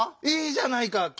いいじゃないか。